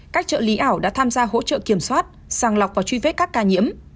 các trợ lý ảo đã tham gia hỗ trợ kiểm soát sàng lọc và truy vết các ca nhiễm